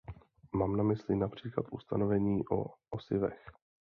Mám na mysli například ustanovení o osivech.